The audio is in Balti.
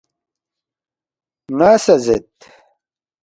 ن٘ا سہ زید